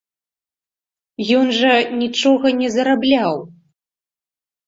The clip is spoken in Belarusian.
Ён жа нічога не зарабляў.